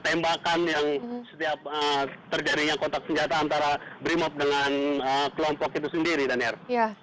tertembakan yang terjadinya kotak senjata antara brimop dengan kelompok itu sendiri daniar